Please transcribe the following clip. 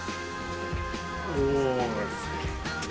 お！